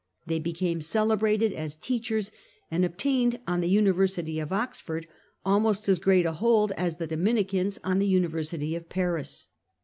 They became celebrated as teachers, and obtained on the University of Oxford almost as great a hold as the Dominicans on the University of Paris.